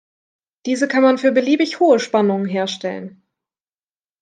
Diese kann man für beliebig hohe Spannungen herstellen.